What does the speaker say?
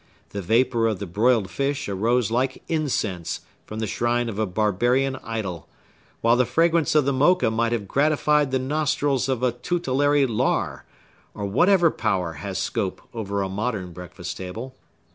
The vapor of the broiled fish arose like incense from the shrine of a barbarian idol, while the fragrance of the Mocha might have gratified the nostrils of a tutelary Lar, or whatever power has scope over a modern breakfast table.